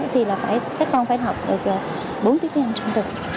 thì các con phải học được bốn tiết tiếng anh trong tuần